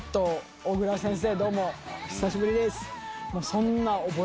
小倉先生